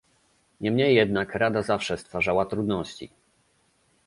Niemniej jednak Rada zawsze stwarzała trudności